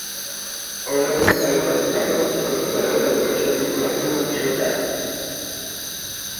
O gromo está localizado e controlado dado que a súa tripulación non pisou terra.